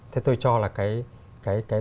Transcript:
thế tôi cho là cái thách thức